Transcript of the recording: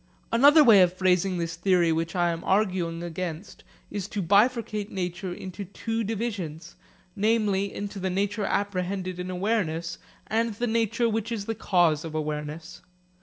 Another way of phrasing this theory which I am arguing against is to bifurcate nature into two divisions, namely into the nature apprehended in awareness and the nature which is the cause of awareness.